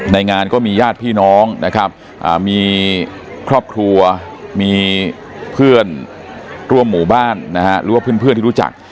งานก็มีญาติพี่น้องนะครับมีครอบครัวมีเพื่อนร่วมหมู่บ้านนะฮะหรือว่าเพื่อนที่รู้จัก